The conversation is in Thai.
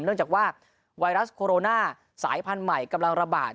เนื่องจากว่าไวรัสโคโรนาสายพันธุ์ใหม่กำลังระบาด